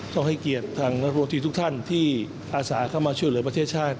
ต้องให้เกียรติทางรัฐมนตรีทุกท่านที่อาสาเข้ามาช่วยเหลือประเทศชาติ